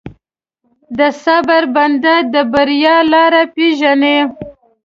د صبر بنده، د بریا لاره پېژني.